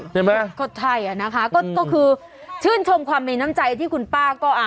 คนไทยอ่ะนะคะก็คือชื่นชมความมีน้ำใจที่คุณป้าก็อ่า